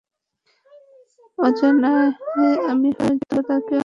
অজানায়, আমি হয়তো তাকে অনেক কষ্ট দিয়েছি।